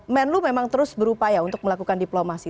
menlu memang terus berupaya untuk melakukan diplomasi